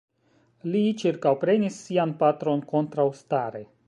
Li ĉirkaŭprenis sian patron kontraŭstare.